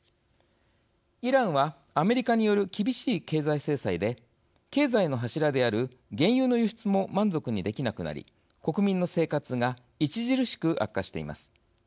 イランは、アメリカによる厳しい経済制裁で経済の柱である原油の輸出も満足にできなくなり国民の生活が著しく悪化しています。